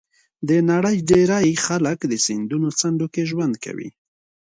د نړۍ ډېری خلک د سیندونو څنډو کې ژوند کوي.